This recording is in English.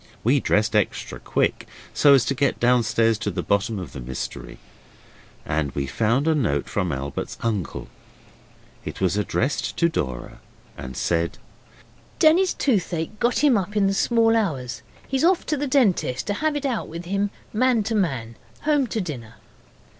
We dressed extra quick, so as to get downstairs to the bottom of the mystery. And we found a note from Albert's uncle. It was addressed to Dora, and said 'Denny's toothache got him up in the small hours. He's off to the dentist to have it out with him, man to man. Home to dinner.